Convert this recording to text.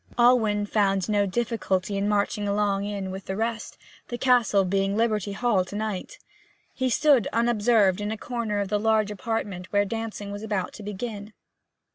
Alwyn found no difficulty in marching in along with the rest, the castle being Liberty Hall to night. He stood unobserved in a corner of the large apartment where dancing was about to begin.